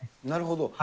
なるほど。